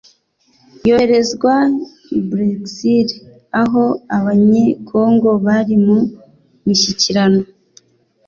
yoherezwa i bruxelles aho abanyekongo bari mu mishyikirano.